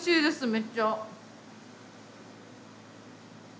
めっちゃ。